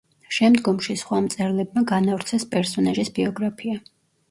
შემდგომში სხვა მწერლებმა განავრცეს პერსონაჟის ბიოგრაფია.